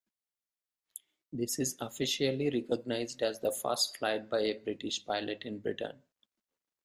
This is officially recognised as the first flight by a British pilot in Britain.